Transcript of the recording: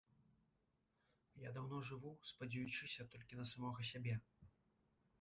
Я даўно жыву, спадзеючыся толькі на самога сябе.